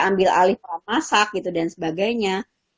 ambil alih pramasak gitu dan sebagainya